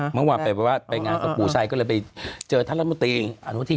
เมื่อวานไปงานกับปู่ชัยก็เลยไปเจอท่านรัฐมนตรีอนุทิน